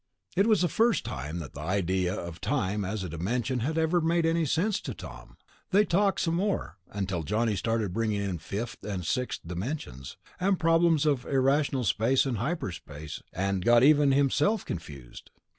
It was the first time that the idea of time as a "dimension" had ever made sense to Tom. They talked some more, until Johnny started bringing in fifth and sixth dimensions, and problems of irrational space and hyperspace, and got even himself confused.